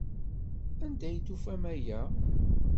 Anda ay d-tufam aya?